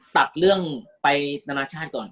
ตัดเรื่องไปนานาชาติก่อน